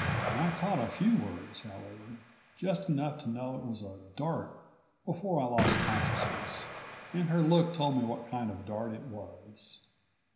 I caught a few words, however, just enough to know it was a dart before I lost consciousness. And her look told me what kind of dart it was.